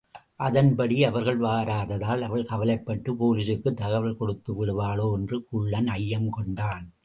அதன்படி அவர்கள் வராததால் அவள் கவலைப்பட்டுப் போலீசுக்குத் தகவல் கொடுத்துவிடுவாளோ என்று குள்ளன் ஐயம் கொண்டான்.